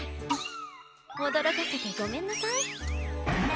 おどろかせてごめんなさい。